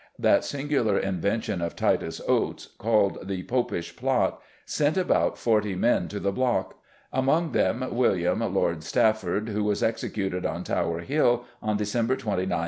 That singular invention of Titus Oates, called the Popish Plot, sent about forty men to the block, among them William, Lord Stafford, who was executed on Tower Hill on December 29, 1680.